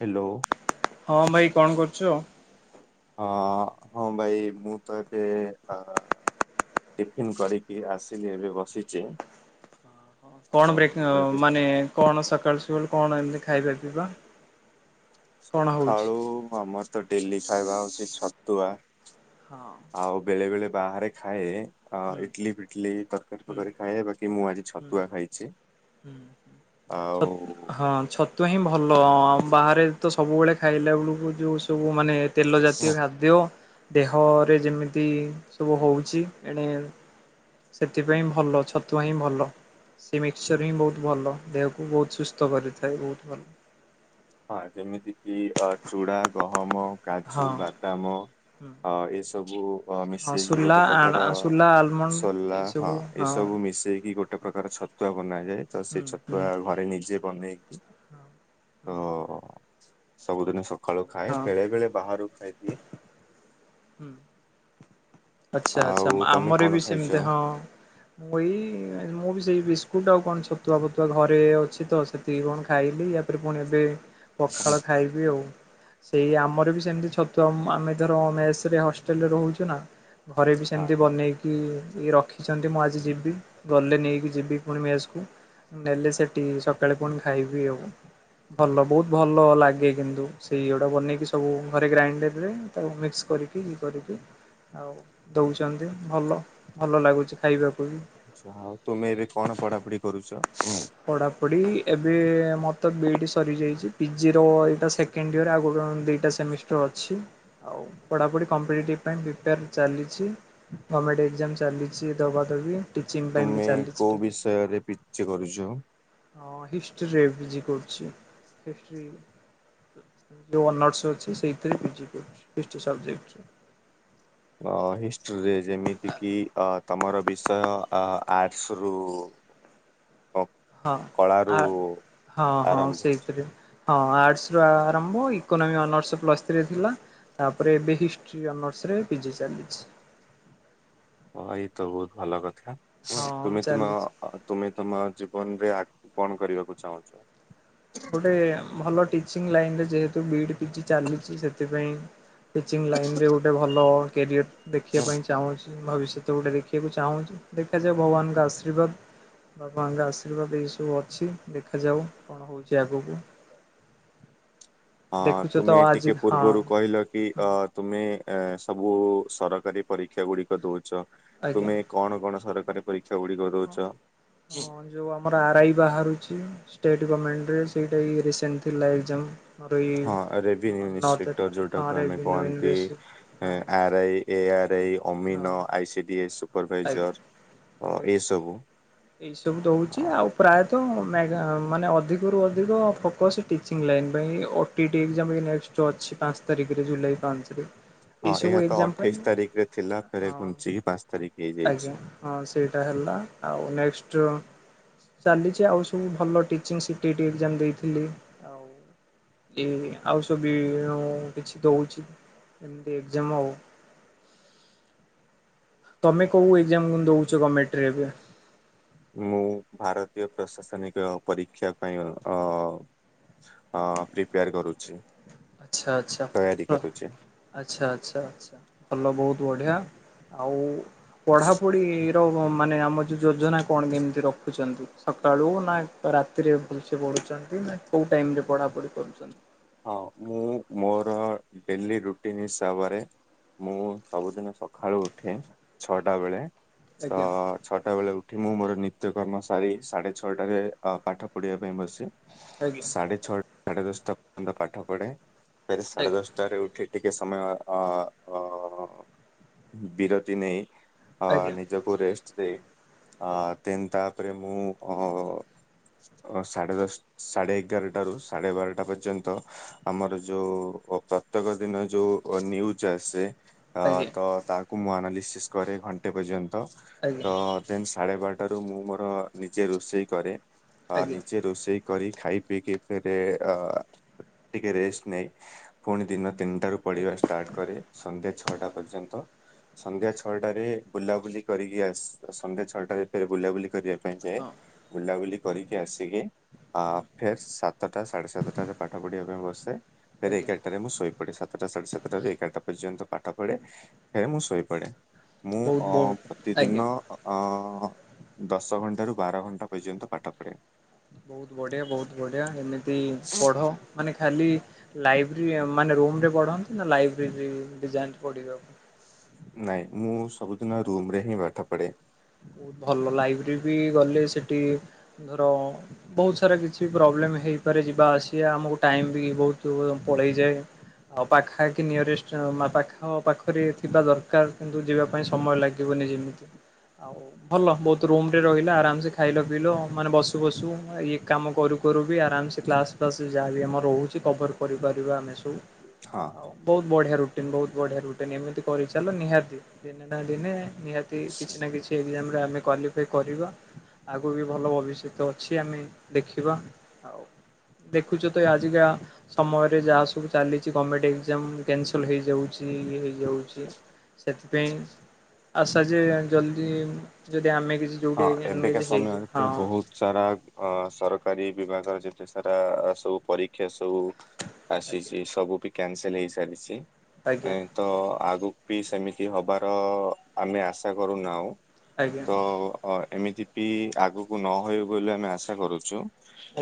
Hello. ହଁ ଭାଇ, କଣ କରୁଛ? ହଁ ହଁ ଭାଇ ମୁଁ ତ ଏବେ ଅ ଟିଫିନ୍ କରିକି ଆସିଲି ଏବେ ବସିଛି କଣ ଆଉ ବ୍ରେକ ଅ ଏବେ ମାନେ କଣ ସକାଳୁ ସକାଳୁ କଣ ଏମିତି ଖାଇବା ପିଇବା? କଣ ହଉଛି? ସଖାଳୁ ଆମର ତ ଡେଲି ଖାଇବା ହଉଛି ଛତୁଆ। ହଁ। ଆଉ ବେଳେ ବେଳେ ବାହାରେ ଖାଏ। ଅ ହୁଁ ଇଟଲି ଫିଟଲି, ତରକାରୀ ଫରକାରୀ ହୁଁ ଖାଏ ବାକି ମୁଁ ଆଜି ଛତୁଆ ଖାଇଛି। ହୁଁ। ଛ ଆଉ ହଁ ଛ ତୁଆ ହିଁ ଭଲ ହଁ ବାହାରେ ତ ସବୁବେଳେ ଖାଇଲା ବେଳକୁ ଯୋଉ ସବୁ ମାନେ ତେଲ ଜାତୀୟ ଖାଦ୍ୟ ଦେହରେ ଯେମିତି ସବୁ ହେଉଛି ଏଣେ ସେଥିପାଇଁ ଭଲ ଛତୁଆ ହିଁ ଭଲ। ସେ ମିକ୍ସଚର ହିଁ ବହୁତ ଭଲ ଦେହକୁ ବହୁତ ସୁସ୍ଥ କରିଥାଏ ବହୁତ ଭଲ। ହଁ, ଯେମିତି କିି ଅ ଚୂଡ଼ା, ଗହମ, କାଜୁ, ବାଦାମ ହଁ। ଅ ଏ ସ ସବୁ ଅ ହଁ ମିଶେଇକି ସୁଲା ଗୋଟେ ଆଣ ପ୍ରକାର, ସୁଲା ଆଲମଣ୍ଡ ସୋଲା ଏଇ ହଁ ସବୁ ଏସବୁ ମିଶେଇକି ଗୋ ଗୋଟେ ପ୍ରକାର ଛତୁଆ ବନାଯାଏ ତ ସେଇ ଛତୁଆ ଘରେ, ନିଜେ ବନେଇକି ହଁ। ତ ସବୁଦିନ ସଖାଳୁ ଖାଏ, ହଁ ବେଳେ ବେଳେ ବାହାରୁ ଖାଇଦିଏ। ହୁଁ। ଆଚ୍ଛା ଆଚ୍ଛା ଆଉ ତମେ ଆମର କଣ ବି ଖାଇଛ? ସେମିତିଆ ହଁ। ମୁଁ ଏଇ, ମୁଁ ବି ସେଇ ବିସ୍କୁଟ ଆଉ କଣ ଛତୁଆ ଫତୁଆ ଘରେ ଅଛି ତ ସେ ତିକି କଣ ଖାଇଲି ୟାପରେ ପୁଣି ଏବେ ହଁ ପଖାଳ ଖାଇବି ଆଉ। ସେଇ ଆମର ବି ସେମିତି ଛତୁଆ, ଆମେ ଧର ମେସ ରେ ହଷ୍ଟେଲରେ ରହୁଛୁ ନା ଘରେ ବି ସେମିତି, ବନେଇକି କି ଇଏ ରଖିଛନ୍ତି ମୁଁ ଆଜି ଯିବି, ଗଲେ ନେଇକି ଯିବି, ପୁଣି ମେସକୁ। ନେଲେ ସେଠି, ସକାଳେ ପୁଣି ଖାଇବି ଆଉ। ଭଲ ବହୁତ ଭଲ ଲାଗେ କିନ୍ତୁ ସେଇଗୁଡା ବନେଇକି, ସବୁ ଘରେ ଗ୍ରାଇଣ୍ଡରରେ ତାକୁ ମିକ୍ସ କରିକି, ଇଏ କରିକି ଆଉ ଦଉଛନ୍ତି ଭଲ ଭଲ ଲାଗୁଛି ଖାଇବାକୁ ବି। ଆଛା ଆଉ ତୁମେ ଏବେ କଣ, ପଢାପଢି କରୁଛ? ପଢାପଢି ଏବେ ମୋର ତ ବିଇଡି ସରିଯାଇଛି ପିଜି ର ଏଇଟା ସେକ୍ କେଣ୍ଡ ଇୟର ଆଗକୁ ଦିଇଟା ସେମିଷ୍ଟର ଅଛି। ଆଉ ପଢାପଢି, କମ୍ପିଟେଟିଭ ପାଇଁ ପ୍ରିପେୟାର ଚାଲିଛି। ଗମେଣ୍ଟ ଏକ୍ଜାମ ଚାଲିଛି ଦବା ଦବି ଟିଚିଂ ପାଇଁ ବି ତୁମେ ଚାଲିଛି କୋଉ ଟିକେ। ବିଷୟରେ ପିଜି କରୁଛ? ହଁ ହିଷ୍ଟ୍ରିରେ ପିଜି କରୁଛି, ହିଷ୍ଟ୍ରି ଯୋଉ ଅନର୍ଶ ଅଛି ସେଇଥିରେ ପିଜି କରୁଛି ହିଷ୍ଟ୍ରୀ ସବଜେକ୍ଟ ରେ। ଅ ହିଷ୍ଟ୍ରିରେ, ଯେମିତି କିି ଅ ତମର ବିଷୟ ଆ ଆର୍ଟସ୍ ରୁ ହ। ହଁ ଆ ହଁ ହଁ ଆରମ୍ଭ ସେଇଥିରେ। ହଁ ଆର୍ଟସରୁ ଆରମ୍ଭ ଇକୋନୋମି ଅନର୍ସ ପ୍ଲସ୍ ଥ୍ରୀରେ ଥିଲା। ତାପରେ ଏବେ ହିଷ୍ଟ୍ରି ଅନର୍ସରେ ପିଜି ଚାଲିଛି। ଓ ଏଇ ତ ବହୁତ ଭଲ କଥା ହଁ ତୁମେ ତୁମ ଚାଲିଛି। ଅ ତୁମେ ତମ ଆଉ ଜୀବନରେ ଆଗକୁ କଣ କରିବାକୁ ଚାହୁଁଛ? ଗୋଟେ ଭଲ ଟିଚିଂ ଲାଇନରେ ଯେହେତୁ ବିଇଡି ପିଜି ଚାଲିଛି ସେଥିପାଇଁ ଟିଚିଂ ଲାଇନରେ ଗୋଟେ ଭଲ କ୍ୟାରିଅର ଦେଖିବା ପାଇଁ ଚାହୁଁଛି। ଭବିଷ୍ୟତ ଗୋଟେ ଦେଖିବାକୁ ଚାହୁଁଛି ଦେଖାଯାଉ ଭଗବାନଙ୍କ ଆଶୀର୍ବାଦ। ଭଗବାନ ଙ୍କ ଆଶୀର୍ବାଦ ଏଇ ସବୁ ଅଛି ଦେଖାଯାଉ କଣ ହଉଛି ଆଗକୁ। ହଁ ଦେଖୁଛ ତ ତୁମେ ଆଜି ଟିକେ ହଁ ପୂର୍ବରୁ କହିଲ କି ଅ ତୁମେ ଏ ସବୁ ସରକାରୀ ପରୀକ୍ଷା ଗୁଡିକ ଦଉଛ। ଆଜ୍ଞା ତୁମେ କଣ କଣ ସରକାରୀ ପରୀକ୍ଷା ଗୁଡିକ ଦଉଛ? ଯେଉଁ ଆମର ଆର ଆଇ ବାହାରୁଛି ଷ୍ଟେଟ୍ ଗମେଣ୍ଟରେ ସେଇଟା ରିସେଣ୍ଟ ଥିଲା ଏକ୍ଜାମ। ମୋର ଏଇ ହଁ ରେଭିନ୍ୟୁ ନଅ ତାରିଖ ଇନ୍ସପେକ୍ଟର ହଁ ଯୋଉଟାକୁ ଆମେ ରେଭିନ୍ୟୁ କହନ୍ତି ଇନଭେଷ୍ଟ ହଁ ଆର ଆଇ। ଏଆର୍ ଏଇ ହଁ ଅମିନ ଆଇସି ଡି ଏସ୍ ଆଜ୍ଞା ସୁପରଭାଇଜର। ଏସବୁ। ଆଜ୍ଞା ଏଇ ସବୁ ଦଉଛି ଆଉ। ପ୍ରାୟତଃ ମ୍ୟା ମାନେ ଅଧିକରୁ ଅଧିକ ଫୋକସ୍ ଟିଚିଂ ଲାଇନ୍ ପାଇଁ। ଓ ଟିଟି ଅଛି ପାଞ୍ଚ ତାରିଖରେ ଜୁଲାଇ ପାଞ୍ଚରେ। ହଁ ଏଇସବୁ ଏହା ତ ଏକ୍ଜାମ ପାଇଁ ଅଠେଇଶି ତାରିଖରେ ଥିଲା। ଫେରେ ହଁ ଘୁଞ୍ଚିକି ପାଞ୍ଚ ତାରିଖ ଆଜ୍ଞା ହେଇଯାଇଛି। ହଁ ସେଇଟା ହେଲା ଆଉ ନେକ୍ସଟ ଚାଲିଛି ଆଉ ସବୁ ଭଲ ଟିଚିଂ ସିଟିଇଟି ଏକ୍ଜାମ ଦେଇଥିଲି। ଆଉ କି ଆଉ ସବୁ ବି କିଛି ଦଉଛି ଏମିତି ଏକ୍ଜାମ ଆଉ। ତମେ କୋଉ ଏକ୍ଜାମ କ ଦଉଛ ଗମେଣ୍ଟରେ ଏବେ? ମୁଁ ଭାରତୀୟ ପ୍ରଶାସନିକ ପରୀକ୍ଷା ପାଇଁ ଅ ହଁ ପ୍ରିପେୟାର କରୁଛି। ଆଚ୍ଛା ଅଛା ତୟାରୀ ହ। କରୁଛି ଆଚ୍ଛା ଆଚ୍ଛା ଆଚ୍ଛା ଭଲ ବହୁତ ବଢିଆ। ଆଉ ପଢାପଢି ମାନେ ଆମ ଯୋଉ ଯୋଜନା କଣ କେମିତି ରଖୁଛନ୍ତି ସକାଳୁ ନା ରା ରତିରେ ଭଲ ସେ ପଢୁଛନ୍ତି ନା କୋଉ ଟାଇମ ରେ ପଢାପଢି କରୁଛନ୍ତି। ହଁ ମୁଁ ମୋର ଡେଲି ରୁଟିନ ହିସାବରେ। ମୁଁ ସବୁଦିନ ସକାଳୁ ଉଠେ ଛଅଟା ବେଳେ ତ ଆଜ୍ଞା ଛଅଟା ବେଳେ ଉଠି ମୁଁ ମୋର ନିତ୍ୟକର୍ମ ସାରି ସାଢ଼େ ଛଅଟାରେ ପାଠ ପଢିବା ପାଇଁ ବସେ। ଆଜ୍ଞା ସାଢେ ଛଅଟା ସାଢେ ଦଶଟା ପର୍ଯ୍ୟନ୍ତ ପାଠ ପଢେ ସାଢେ ଦଶ ଟାରେ ଉଠି ଟିକେ ସମୟ ଅ ବିରତି ନେଇ। ଅ ଆଜ୍ଞା ଆଜ୍ଞା ନିଜକୁ ରେଷ୍ଟ ଦେଇ ଆଜ୍ଞା ତିନ ତାପରେ ମୁଁ ଅ। ଅ ସାଢ଼େ ଦଶ ସାଢେ ଏଗାରଟାରୁ ସାଢେ ବାରଟା ପ ର୍ଯ୍ୟନ୍ତ ଆମର ଯୋଉ ପ୍ରତ୍ୟେକ ଦିନ ଯୋଉ ନିୟୁଜ୍ ଆସେ। ଆଜ୍ଞା ତ ତାଙ୍କୁ ମୁଁ ଆନାଲିସିସ୍ କରେ ଘଣ୍ଟେ ପର୍ଯ୍ୟନ୍ତ ଆଜ୍ଞା। ତ ସାଢେ ବାରଟାରୁ ମୁଁ ମୋର ନିଜେ ରୋଷେଇ କରେ ଆଜ୍ଞା। ନିଜେ ରୋଷେଇ କରି ଖାଇ ପିଇକି ଫେରେ ଅ ଟିକଏ ରେଷ୍ଟ ନେଇ ପୁଣି ଦିନ ତିନିଟାରୁ ପଡ଼ିବା ଆଜ୍ଞା ଷ୍ଟାର୍ଟ କରେ। ସନ୍ଧ୍ୟା ଛଅଟା ପର୍ଯ୍ୟନ୍ତ। ସନ୍ଧ୍ୟା ଛଅଟାରେ ବୁଲାବୁଲି କରିକି ଆସ ସନ୍ଧ୍ୟା ଛଅଟାରେ ଫ ବୁଲାବୁଲି କରିବା ପାଇଁ ଯାଏ ହଁ ବୁଲାବୁଲି କରିକି ଆସିକି ଫେର ସାତଟା ସାଢେ ସାତଟାରେ ପାଠ ପଢିବା ପାଇଁ ବସେ ଫେରେ ଆଜ୍ଞା ଏଗାରଟାରେ ମୁଁ ଶୋଇ ପଡେ ସାତଟା ସାଢେ ସାତଟାରୁ ଏଗାରଟା ପର୍ଯ୍ୟନ୍ତ। ପାଠ ପଢ଼େ ହେ ମୁଁ ଶୋଇପଡ଼େ ମୁଁ ବହୁତ ଅ ବହୁତ ଆଜ୍ଞା। ପ୍ରତିଦିନ। ଅ ଦଶ ଘଣ୍ଟାରୁ ବାର ଘଣ୍ଟା ପର୍ଯ୍ୟନ୍ତ ପାଠ ପଢ଼େ। ବହୁତ ବଢିଆ ବହୁତ ବଢିଆ ଏମିତି ପଢ। ମାନେ ଖାଲି ଲାଇବ୍ରେରୀ ମାନେ ରୁମରେ ପଢ଼ନ୍ତି ନା ଲାଇବ୍ରେରୀ ଯାନ୍ତି ପଢିବାକୁ। ନାଇଁ ମୁଁ ସବୁଦିନ ରୁମରେ ହିଁ ପାଠ ପଢେ। ବହୁତ ଭଲ ଲାଇବ୍ରେରୀ ବି ଗଲେ ସେଠି ଧର ବହୁତ ସାରା କିଛି ପ୍ରୋବ୍ଲେମ ହେଇପାରେ ଯିବା ଆସିବା ଆମକୁ ଟାଇମ ବି ବହୁତ ପଳେଇଯାଏ। ଆଉ ପାଖା ପାଖି ନିୟରେଷ୍ଟ ପାଖ ପାଖରେ ଥିବା ଦରକାର କିନ୍ତୁ ଯିବା ପାଇଁ ସମୟ ଲାଗେ। ଯିବନି ଯେମିତି। ଆଉ ଭଲ ବହୁତ ରୁମ ରେ ରହିଲ ଆରାମସେ ଖାଇଲ ପିଇଲ ମାନେ ବସୁ ବସୁ ଇଏ କାମ କରୁ ଘରୁ ବି ଆରାମସେ କ୍ଲାସ୍ ଫ୍ଲାସ୍ ଯାହାବି ଆମର ରହୁଛି କଭର୍ କରିପାରିବା ଆମେ ସବୁ। ହଁ। ଆଉ ବହୁତ ବଢିଆ ରୁଟିନ ବହୁତ ବଢିଆ ରୁଟିନ ଏମିତି କରିଚାଲ ନିହାତି ଦିନେ ନା ଦିନେ ନିହାତି କିଛି ନା କିଛି ଏ ଗ୍ଜାମରେ ଆମେ କ୍ୱାଲିଫାଏ କରିବା। ଆଗକୁ ବି ଭଲ ଭବିଷ୍ୟତ ଅଛି ଆମେ ଦେଖିବା ଆଉ ଦେଖୁଛ ତ ଆଜିିକା ସମୟରେ ଯାହା ସବୁ ଚାଲିଛି ଗର୍ମେଣ୍ଟ ଏଗ୍ଜାମ କ୍ୟାନସଲ ହେଇଯାଉଛି ଇ ହେଇ ଇଏ ହଉଛି, ସେଥିପାଇଁ ଆଶା ଯେ ଜଲ୍ଦି ଯଦି ଆମେ କିଛି ହଁ ଯୋଉଠି କି ଏବେକା ଏନ୍ଗେଜ୍ ସମୟରେ ହେଇଯିବା ହଁ। ବହୁତ ସାରା ଅ ସରକାରୀ ବିଭାଗର ଯେତେ ସାରା ସବୁ ପରୀକ୍ଷା ସବୁ ଆଜ୍ଞା ଆସିଛି ସବୁ ବି କ୍ୟାନସେଲ ହେଇସାରିଛି। ଆଜ୍ଞା ତ ଆଗକୁ ବି ସେମିତି ହବାର ଆମେ ଆଶା କରୁନାଉ। ଆଜ୍ଞା ତ ଏମିତି ବି ଆଗକୁ ନହଉ ବୋଲି ଆମେ ଆଶା କରୁଚୁ।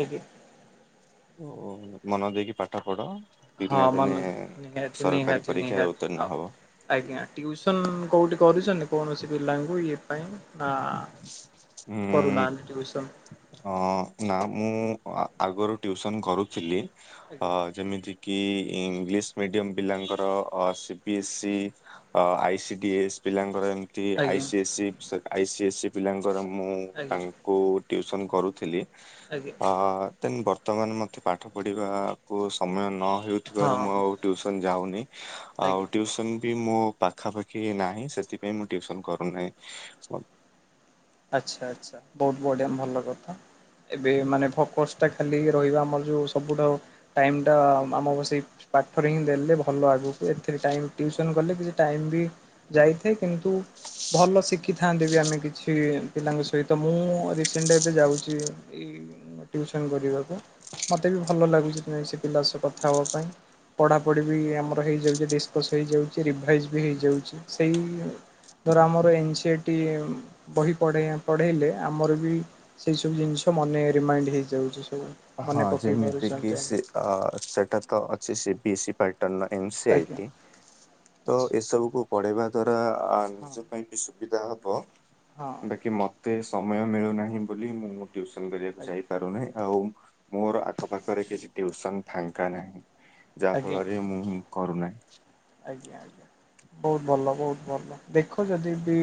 ଆଜ୍ଞା। ଉଁ ମନ ଦେଇକି ପାଠ ପଢ। ଦିନେ ହଁ ନା ଦିନେ ମନ ନିହାତି ସରକାରୀ ନିହାତି ପରୀକ୍ଷାରେ ନିହାତି ଆଉ ଉତ୍ତୀର୍ଣ୍ଣ ହବ। ଆଜ୍ଞା ଟ୍ୟୁସନ କୋଉଠି କରୁଛନ୍ତି କୌଣସି ପିଲାଙ୍କୁ ଇଏ ପାଇଁ ନା କରୁନାହାନ୍ତି ଟ୍ୟୁସନ। ହଁ ନା ମୁଁ ଆଗରୁ ଟ୍ୟଉସନ କରୁଥିଲି ଆଜ୍ଞା ଯେମିତିକି ଇଂଲିଶ ମିଡ଼ିୟମ ପିଲାଙ୍କର ସିପିଏସ୍ସି ଅ ଆଇସିି ଡି ଏସ୍ ପିଲାଙ୍କର ଏମତି ଏଠି ଆଜ୍ଞା ଆଇସିି ଏସ୍ସି ଆଇସିି ଏସ୍ସି ପିଲାଙ୍କର ମୁଁ ଆଜ୍ଞା ତାଙ୍କୁ ଟ୍ଯୁସନ କରୁଥିଲି। ଆଜ୍ଞା। ଅ ଦେନ୍ ବର୍ତ୍ତମାନ ମୋତେ ପାଠ ପଢ଼ିବାକୁ ସମୟ ନ ହଁ ହେଉଥିବାରୁ ମୁଁ ଆଉ ଟ୍ଯୁସନ୍ ଯାଉନି, ଆଉ ଆଜ୍ଞା। ଟ୍ଯୁସନ୍ ବି ମୋ ପାଖାପାଖି ନାହିଁ ସେଥିପାଇଁ ମୁଁ ଟ୍ଯୁସନ କରୁନେଇ। ଆଚ୍ଛା ଆଛା, ବହୁତ ବଢିଆ ଭଲ କଥା। ଏବେ ମାନେ ଫୋକସ ଟା ଖାଲି ରହିବ ଆମର ଯୋଉ ସବୁଠାରୁ ଟାଇମ ଟା ଆମ ସେଇ ପାଠରେ ହିଁ ଦେଲେ ଭଲ ଆଗକୁ ଏଥିରେ ଟାଇମ ଟ୍ୟୁସନ୍ କଲେ କିଛି ଟାଇମ ବି ଯାଇଥାଏ କିନ୍ତୁ ଭଲ ଶିଖିଥାନ୍ତି ବି ଆମେ କିଛି। ପିଲାଙ୍କ ସହିତ ମୁଁ ରିସେଣ୍ଟ ଏବେ ଯାଉଛି ଇ ଟ୍ଯୁସନ କରିବାକୁ ମତେ ବି ଭଲ ଲାଗୁଛି ସେ ପିଲା ସହ କଥା ହେବା ପାଇଁ। ପଢ଼ାପଢ଼ି ବି ଆମର ହେଇଯାଉଛି ଡିସକସ୍ ହେଇଯାଉଛି ରିଭାଇଜ୍ ବି ହେଇଯାଉଛି, ସେଇ ଧର ଆମର ଏନ୍ ସିଟି ବହି ପଢ଼େଇ ପଢ଼େଇଲେ ଆମର ବି ସେଇ ସବୁ ଜିନିଷ ମନେ ରିମାଇଣ୍ଡ ହେଇଯାଉଛି ସବୁ। ହଁ ମନେ ପକେଇ ଯେମିତିକିି ପାରୁଛନ୍ତି ଆମେ ସେ ସେଟା ତ ଅଛି ସିପି ଏସି ପେଟଲ ଆଜ୍ଞା ଏନ୍‌ସିଆଇଟି ତ ଏସବୁକୁ ପଢେଇବା ଦ୍ଵାରା ହଁ ନିଜ ପାଇଁ ବି ସୁବିଧା ହବ ହଁ ବାକି ମତେ ସମୟ ମିଳୁନାହିଁ ବୋଲି ମୁଁ ଟ୍ଯୁସନ କରିବାକୁ ଆଜ୍ଞା। ଯାଇପାରୁନାହିଁ, ଆଉ ମୋର ଆଖପାଖରେ କିଛି ଟ୍ୟୁସନ ଫାଙ୍କା ନାହିଁ, ଯାହା ଆଜ୍ଞା ଫଳରେ ମୁଁ କରୁନାହିଁ। ଆଜ୍ଞା ଆଜ୍ଞା, ବହୁତ ଭଲ ବହୁତ ଭଲ ଦେଖ ଯଦି ବି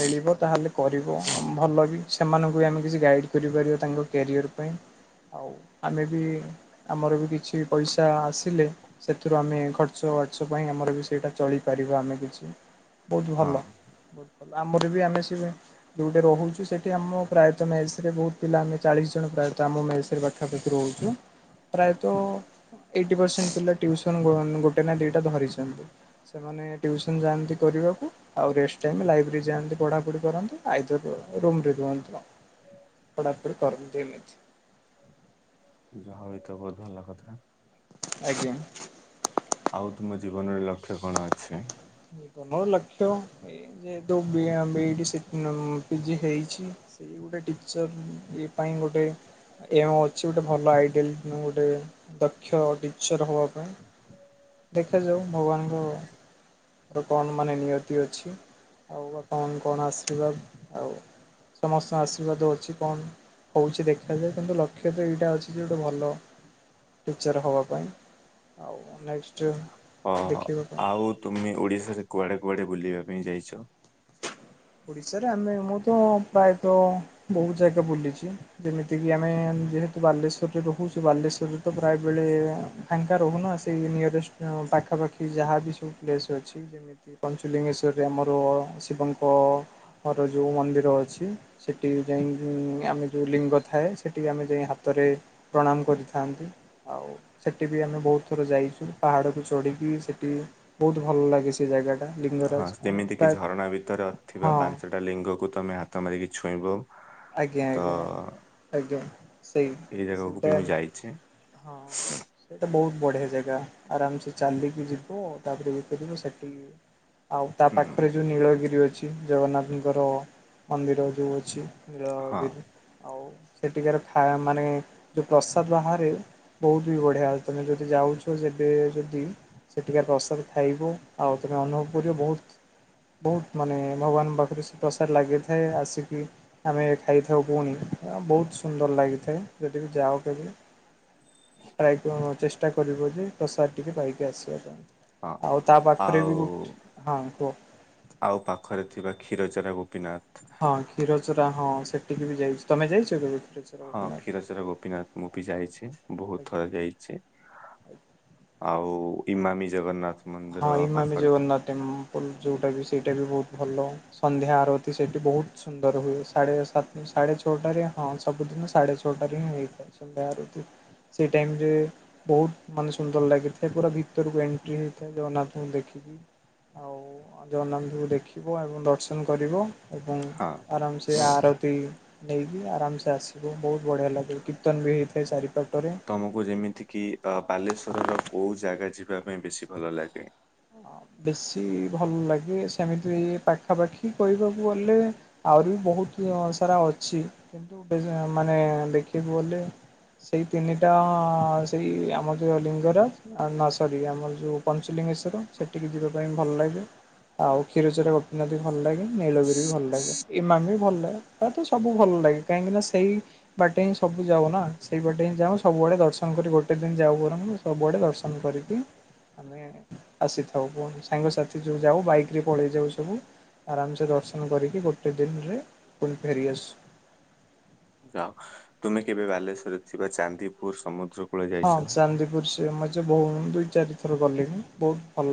ମିଳିବ ତାହେଲେ କରିବ, ଭଲ ବି ସେମାନଙ୍କୁ ବି ଆମେ କିଛି ଗାଇଡ଼୍ କରିପାରିବା ତାଙ୍କ କ୍ୟାରିଅର୍ ପାଇଁ ଆଉ ଆମେ ବି ଆମର ବି କିଛି ପଇସା ଆସିଲେ ସେଥିରୁ ଆମେ ଖର୍ଚ୍ଚ ବାର୍ଚ୍ଚ ପାଇଁ ଆମର ବି ସେଇଟା ଚଳିପାରିବ ଆମେ କିଛି ବହୁତ ହଁ। ଭଲ ବହୁତ। ଆମର ବି ଆମେ ଶିବେ ଯୋଉଠି ରହୁଛୁ ସେଠି ଆମ ପ୍ରାୟତ ମେସ ରେ ବହୁତ ପିଲା ଆମେ ଚାଳିଶ ଜଣ ପ୍ରାୟତ ଆମ ମେସରେ ପାଖା ପାଖି ରହୁଚୁ ପ୍ରାୟତଃ ଏଇଟି ପରସେଣ୍ଟ ପିଲା ଟିଉସନ ଗୋଟେ ନା ଦ ଦିଟା ଧରିଛନ୍ତି, ସେମାନେ ଟିଉସନ ଯାଆନ୍ତି କରିବାକୁ। ଆଉ ରେଷ୍ଟ୍ ଟାଇମ୍ ଲାଇବ୍ରେରୀ ଯାଆନ୍ତି ପଢାପଢି କରନ୍ତୁ ଆଇ ରୁ ରେ ରୁହନ୍ତୁ? ପଢ଼ା ପଢି [unintelligible] [unintelligible] ଆଜ୍ଞା। ଆଉ ତୁମ ଜୀବନରେ ଲକ୍ଷ୍ୟ କଣ ଅଛି? ମୋର ଲକ୍ଷ୍ୟ ଏ ଯେହେତୁ ବିଇ ପିଜି ହେଇଚି। ଏ ଗୋଟେ ଟିଚର ଏ ପାଇଁ ଗୋଟେ ଏ ଅଛି ଗୋଟେ ଭଲ ଆଇଡଲ ଗୋଟେ ଦକ୍ଷ ଟିଚର ହବା ପାଇଁ। ଦେଖା ଯାଉ ଭଗବାନଙ୍କ କଣ ମାନେ ନିୟତି ଅଛି, ଆଉ ବା କଣ କଣ ଆଶୀର୍ବାଦ ଆଉ। ସମସ୍ତଙ୍କ ଆଶୀର୍ବାଦ ଅଛି ତ? ହଉଛି ଦେଖାଯାଏ, କିନ୍ତୁ ଲକ୍ଷ୍ୟ ତ ଏଇଟା ଅଛି ଯେ ଗୋଟେ ଭଲ ଟିଚର ହବା ପାଇଁ, ଆଉ ନେକ୍ସଟ ଓହୋ ଦେଖିବା। ଆଉ ତୁମେ ଓଡିଶାରେ କୁଆଡେ କୁଆଡେ ବୁଲିବା ପାଇଁ ଯାଇଚ? ଓଡ଼ିଶାରେ ଆମେ ମୁଁ ତ ପ୍ରାୟତଃ ବହୁତ ଜାଗା ବୁଲିଚି। ଯେମିତିକି ଆମେ ଯେହେତୁ ବାଲେଶ୍ଵରରେ ରହୁଚୁ ବାଲେଶ୍ୱର ରେ ତ ପ୍ରାୟବେଳେ ଫାଙ୍କା ରହୁନ ଆସିକି ନିୟରେଷ୍ଟ ପାଖାପାଖି ଯାହା ବିି ସବୁ ପ୍ଲେସ୍ ଅଛି ଏମିତି ପଞ୍ଚୁଲିଙ୍ଗେଶ୍ଵରରେ ଆମର ଶିବଙ୍କର ଯଉ ମନ୍ଦିର ଅଛି। ସେଠି ଯାଇ ଆମେ ଯୋଉ ଲିଙ୍ଗ ଥାଏ ସେଠି ଆମେ ଯାଇ ହାତରେ ପ୍ରଣାମ କରିଥାନ୍ତି, ଆଉ ସେଠି ବି ଆମେ ବହୁତ ଥର ଯାଇଛୁ, ପାହାଡ଼କୁ ଚଢ଼ିକି ସେଠି ବହୁତ ଭଲ ଲାଗେ ସେ ଜାଗା। ହଁ ଯେମିତି କିି ଝରଣା ଭିତରେ ଥିବା ହଁ ପାଞ୍ଚଟା ଲିଙ୍ଗକୁ ତମେ ହାତ ମାରିକି ଛୁଇଁବ। ଆଜ୍ଞା ତ ଆଜ୍ଞା ଆଜ୍ଞା ସେଇ ଏଇ ଜାଗାକୁୁ ସେଇଟା ବି ମୁଁ ଯାଇଛି। ହଁ। ସେଇଟା ବହୁତ ବଢିଆ ଜାଗା ଆରାମ ସେ ଚାଲିକି ଯିବ, ତାପରେ ଯପିବ ସେଠିକି ଆଉ ତା ଉଁ ପାଖରେ ଯୋଉ ନୀଳଗିରି ଅଛି ଜଗନ୍ନାଥଙ୍କର ମନ୍ଦିର ଯୋଉ ଅଛି। ହଁ ଆଉ ସେଠିକାର ଖ ମାନେ ଯେଉଁ ପ୍ରସାଦ ବାହାରେ ବହୁତ ବି ବଢିଆ ତମେ ଯଦି ଯାଉଛ ସେବେ ଯଦି ସେଠିକା ପ୍ରସାଦ ଖାଇବ, ଆଉ ତୁମେ ଅନୁଭବ କରିବ ବୋହୁତ ବହୁତ ମାନେ ଭଗବାନଙ୍କ ପାଖରେ ସେ ପ୍ରସାର ଲାଗିଥାଏ ଆସିକି ଆମେ ଖାଇଥାଉ ପୁଣି ବହୁତ ସୁନ୍ଦର ଲାଗିଥାଏ, ଯଦି ବି ଯାଅ କେବେ। [unintelligible] ଚେଷ୍ଟ ଚ କରିବ ଯେ ପ୍ରସାର ଟିକେ ପାଇକି ଆସିବ, ହଁ। ଆଉ ତା ପାଖରେ ଆଉ ବି ଗୋ ହଁ କୁହ? ଆଉ ପାଖରେ ଥିବା କ୍ଷୀରଚାର ଗୋପୀନାଥ। ହଁ କ୍ଷୀରଚୋା ହଁ ସେଠିକି ବି ଯାଇଚି, ତମେ ଯାଇଛ କେବେ କ୍ଷୀରଚା? ହଁ କ୍ଷୀରଚର ଗୋପୀନାଥ ମୁ ବିି ଯାଇଚି ବୋହୁତ ଆଜ୍ଞା। ଥର ଯାଇଚି। ଆଉ ଇମାମୀ ଜଗନ୍ନାଥ। ହଁ ମନ୍ଦିର ଇମାମେ ପାଖରେ ଥି- ଜଗନ୍ନାଥ ଟେମ୍ପଲ୍ ଯେଉଁଟା ବି ସେଇଟା ବି ବୋହୁତ ଭଲ। ସନ୍ଧ୍ୟା ଆରତି ସେଠି ବହୁତ ସୁନ୍ଦର ହୁଏ, ସାଢେ ସାତ ସାଢେ ଛଅଟାରେ ହଁ ସବୁଦିନ ସାଢେ ଅ ଛୋଟ [unintelligible] ସେଇ ଟାଇମ ରେ ବହୁତ ମାନେ ସୁନ୍ଦର ଲାଗିଥାଏ, ପୁରା ଭିତରକୁ ଏଣ୍ଟ୍ରି ଜଗନ୍ନାଥଙ୍କୁ ଦେଖିକି ଆଉ ଜଗନ୍ନାଥଙ୍କୁ ଦେଖିବ ଏବଂ ଦର୍ଶନ କରିବ। ଏବଂ ହଁ। ଆରାମସେ ଆରତି ନେଇକି ଆରାମସେ ଆସ ବୋହୁତ ବଢିଆ ଲାଗେ କୀର୍ତ୍ତନ ବି ହେଇ ଚାରିପଟରେ। ତମକୁ ଯେମିତି କିି ଅ ବାଲେଶ୍ୱର ର କୋଉ ଜାଗା ଯିବା ପାଇଁ ବେଶୀ ଭଲ ଲାଗେ? ବେଶୀ ଭଲ ଲାଗେ ସେମିତି ପାଖାପାଖି କହିବାକୁ ଗଲେ? ଆହୁରି ବହୁତ ସାରା ଅଛି, କି ମାନେ ଦେଖକୁ ଗଲେ। ସେଇ ତିନିଟା ସେଇ ଆମ ଯେ ଲିଙ୍ଗର ଆ ନ ସରି ଆମର ଯୋଉ ପଞ୍ଚଲିଙ୍ଗେଶ୍ୱର ସେଠିକି ଯିବା ପାଇଁ ଭଲ ଲାଗେ। ଆଉ କ୍ଷୀରଚୋରା ଗୋପୀନାଥ ବି ଭଲ ଲାଗେ ନୀଳଗିରି ବି ଭଲ ଲାଗେ ଇମାମି ବି ଭଲ ଲାଗେ। ତ ସବୁ ଭଲ ଲାଗେ କାହିଁକି ନା ସେଇ ବାଟେ ହିଁ ସବୁ ଯାଉ ନା ସେଇ ବାଟେ ହିଁ ଯାଉ ସବୁଆଡେ ଦର୍ଶନ କରି ଗୋଟେ ଦିନ ଯାଉ ସବୁଆଡ଼େ ଦର୍ଶନ କରିକି ଆମେ ଆସିଥାଉ ପୁଣି ସାଙ୍ଗସାଥି ଯୋଉ ଯାଉ ବାଇକ ରେ ପଳେଇ ଯାଉ ସବୁ। ଆରାମସେ ଦର୍ଶନ କରିକି ଗୋଟେ ଦିନରେ ପୁଣି ଫେରିଆସୁ। ଯାଅ ତୁମେ କେବେ ବାଲେଶ୍ୱରରେ ଥିବା ଚାନ୍ଦିପୁର ସମୁଦ୍ର କୂଳ ହଁ ଯାଇଛ? ଚାନ୍ଦିପୁର ସିଏ ମେ ବୋଉ ଦୁଇ ଚାରି ଥର ଗଲିଣି ବହୁତ ଭଲ